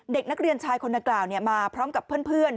เด็กนักเรียนชายคนนักกล่าวมาพร้อมกับเพื่อน